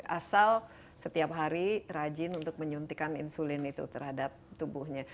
asal setiap hari rajin untuk menyuntikkan insulin itu terhadap tubuhnya